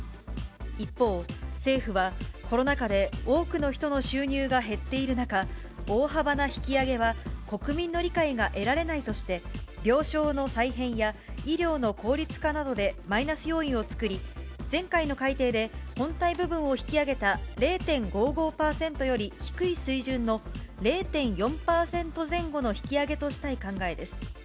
一方、政府はコロナ禍で多くの人の収入が減っている中、大幅な引き上げは国民の理解が得られないとして、病床の再編や医療の効率化などでマイナス要因を作り、前回の改定で本体部分を引き上げた０．５５％より低い水準の０．４％前後の引き上げとしたい考えです。